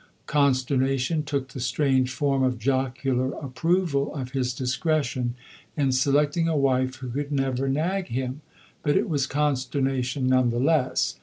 Consternation took the strange form of jocular approval of his discretion in selecting a wife who could never nag him but it was consternation none the less.